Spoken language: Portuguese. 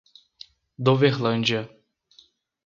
Doverlândia